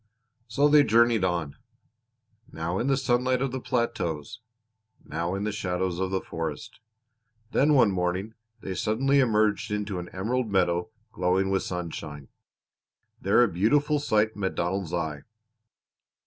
So they journeyed on now in the sunlight of the plateaus, now in the shadows of the forest. Then one morning they suddenly emerged into an emerald meadow glowing with sunshine. There a beautiful sight met Donald's eye.